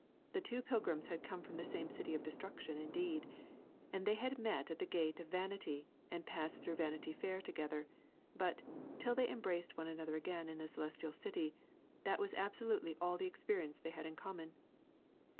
The two pilgrims had come from the same City of Destruction indeed, and they had met at the gate of Vanity and passed through Vanity Fair together, but, till they embraced one another again in the Celestial City, that was absolutely all the experience they had in common.